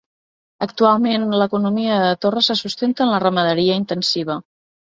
Actualment l'economia de Torre se sustenta en la ramaderia intensiva.